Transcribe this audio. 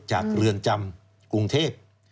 เรือนจำกรุงเทพ